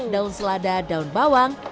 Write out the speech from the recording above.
daun selada daun bawang